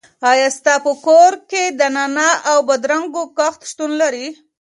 آیا ستاسو په کور کې د نعناع او بادرنګو کښت شتون لري؟